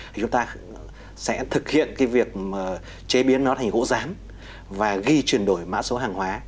thì chúng ta sẽ thực hiện cái việc chế biến nó thành gỗ rán và ghi chuyển đổi mã số hàng hóa